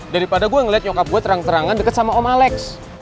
daripada gue ngeliat nyokap gue terang terangan deket sama om alex